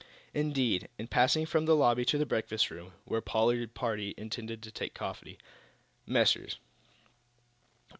Indeed, in passing from the lobby to the breakfast room, where the Pollard party intended to take coffee, Messrs.